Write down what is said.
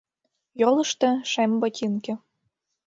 Йолышто — шем ботинке.